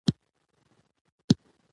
هغه لوبغاړی یا ورزشکار نه و.